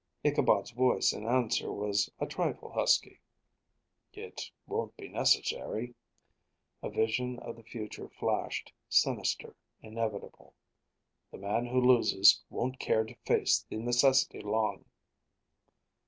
Ichabod's voice in answer was a trifle husky. "It won't be necessary." A vision of the future flashed, sinister, inevitable. "The man who loses won't care to face the necessity long."